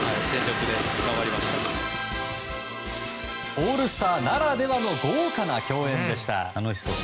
オールスターならではの豪華な共演でした。